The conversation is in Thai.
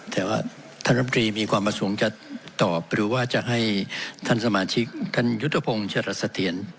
แต่ว่าท่านรำกรีมีความประสงค์จะตอบหรือว่าจะให้ท่านสมาชิกท่านยุทธพงศ์จรัสเถียร